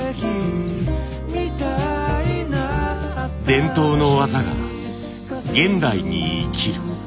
伝統の技が現代に生きる。